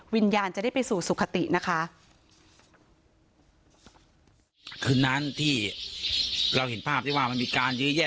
วิญญาณจะได้ไปสู่สุขตินะคะ